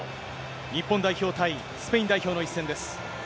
日本代表対スペイン代表の一戦です。